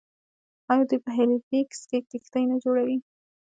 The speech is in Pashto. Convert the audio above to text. آیا دوی په هیلیفیکس کې کښتۍ نه جوړوي؟